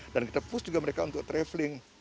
dan kita push juga mereka untuk traveling